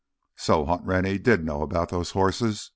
"So—Hunt Rennie did know about those horses!"